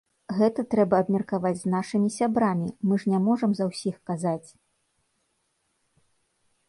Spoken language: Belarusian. Гэта трэба абмеркаваць з нашымі сябрамі, мы ж не можам за ўсіх казаць.